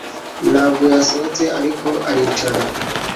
Ntabwo yasohotse ariko aricara